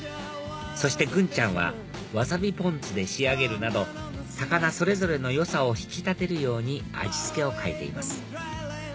そしてグンちゃんはわさびポン酢で仕上げるなど魚それぞれの良さを引き立てるように味付けを変えています